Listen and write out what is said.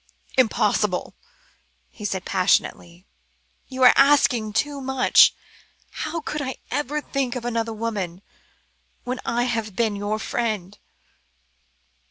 "Impossible," he said passionately. "You are asking too much. How could I ever think of another woman, when I have been your friend?"